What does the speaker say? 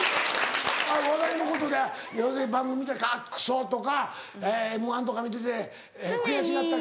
笑いのことで要するに番組見て「クソ！」とか『Ｍ−１』とか見てて悔しがったり。